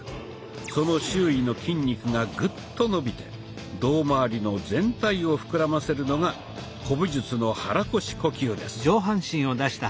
その周囲の筋肉がグッと伸びて胴まわりの全体を膨らませるのが古武術の肚腰呼吸です。